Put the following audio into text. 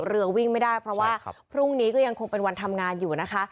เรือวิ่งไม่ได้เพราะว่าพรุ่งนี้ก็ยังคงเป็นวันทำงานอยู่นะคะ